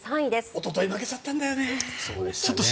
おととい負けちゃったんだよね。